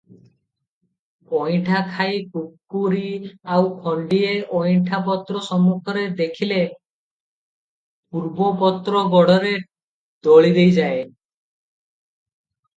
ଅଇଣ୍ଠା ଖାଈ କୁକ୍କୁରୀ ଆଉ ଖଣ୍ତିଏ ଅଇଣ୍ଠା ପତ୍ର ସମ୍ମୁଖରେ ଦେଖିଲେ ପୂର୍ବପତ୍ର ଗୋଡ଼ରେ ଦଳିଦେଇଯାଏ ।